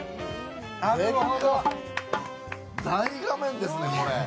なるほど、大画面ですね、これ。